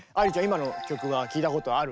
今の曲は聴いたことある？